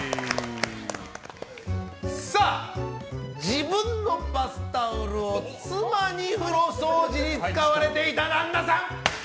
自分のバスタオルを妻に風呂掃除に使われていた旦那さん。